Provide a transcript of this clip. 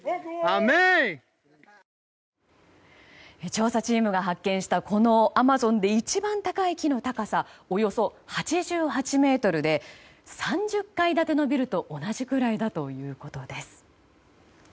調査チームが発見したこのアマゾンで一番高い木の高さおよそ８８ｍで３０階建てのビルと同じくらいだということです。